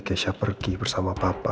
keisha pergi bersama papa